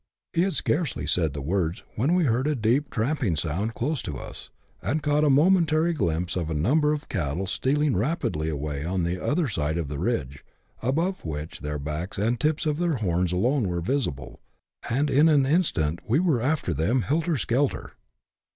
He had scarcely said the words, when we heard a deep tramp ing sound close to us, and caught a momentary glimpse of a number of cattle stealing rapidly away on the other side of the ridge, above which their backs and the tips of their horns alone were visible, and in an instant we were after them, helter skelter.